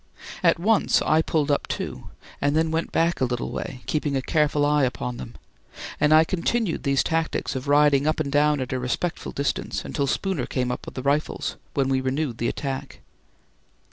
At once I pulled up too, and then went back a little way, keeping a careful eye upon them; and I continued these tactics of riding up and down at a respectful distance until Spooner came up with the rifles, when we renewed the attack.